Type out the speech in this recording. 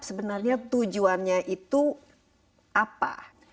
sebenarnya tujuannya itu apa